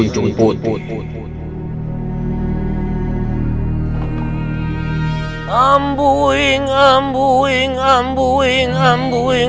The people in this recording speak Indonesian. jemput putus ambu ingin buing ambu ingin buing